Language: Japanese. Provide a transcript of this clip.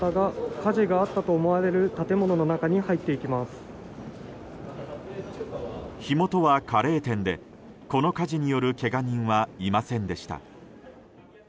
火元はカレー店でこの火事によるけが人はいませんでした。